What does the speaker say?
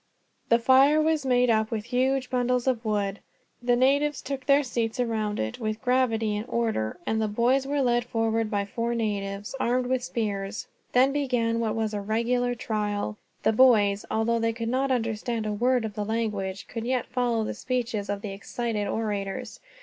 The fire was made up with huge bundles of wood; the natives took their seats around it, with gravity and order; and the boys were led forward by four natives, armed with spears. Then began what was a regular trial. The boys, although they could not understand a word of the language, could yet follow the speeches of the excited orators.